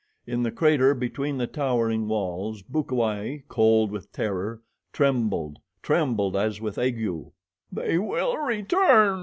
In the crater between the towering walls Bukawai, cold with terror, trembled, trembled as with ague. "They will return!"